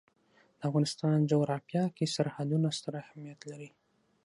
د افغانستان جغرافیه کې سرحدونه ستر اهمیت لري.